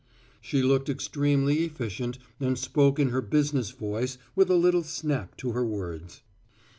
She looked extremely efficient and spoke in her business voice with a little snap to her words.